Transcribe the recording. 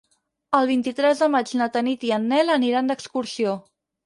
El vint-i-tres de maig na Tanit i en Nel aniran d'excursió.